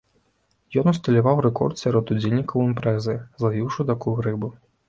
Ён усталяваў рэкорд сярод удзельнікаў імпрэзы, злавіўшы такую рыбу.